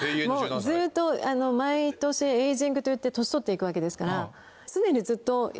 ずっと毎年エイジングといって年取って行くわけですから。